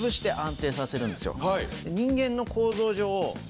人間の構造上。